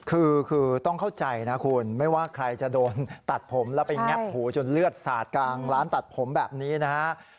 คือต้องเข้าใจนะคุณไม่ว่าใครจะโดนตัดผมแล้วไปแงบหูจนเลือดสาดกลางร้านตัดผมแบบนี้นะฮะ